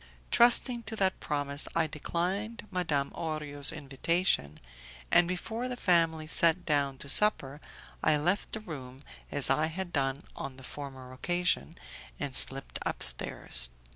Trusting to that promise I declined Madam Orio's invitation, and before the family sat down to supper I left the room as I had done on the former occasion, and slipped upstairs.